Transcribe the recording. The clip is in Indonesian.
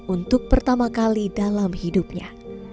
untuk pertama kali dalam hidupnya